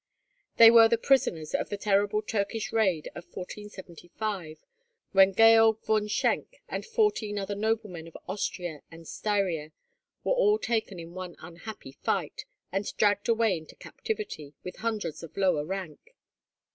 They were the prisoners of the terrible Turkish raid of 1475, when Georg von Schenk and fourteen other noblemen of Austria and Styria were all taken in one unhappy fight, and dragged away into captivity, with hundreds of lower rank.